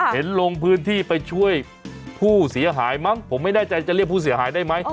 ลงพื้นที่ไปช่วยผู้เสียหายมั้งผมไม่แน่ใจจะเรียกผู้เสียหายได้ไหม